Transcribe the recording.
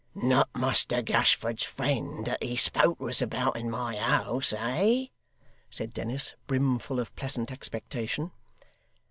'Not Muster Gashford's friend that he spoke to us about in my house, eh?' said Dennis, brimfull of pleasant expectation.